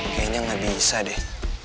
kayaknya nggak bisa deh